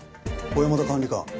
小山田管理官